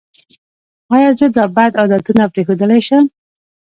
ایا زه دا بد عادتونه پریښودلی شم؟